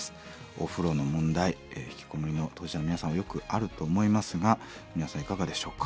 お風呂の問題ひきこもりの当事者の皆さんはよくあると思いますが皆さんいかがでしょうか？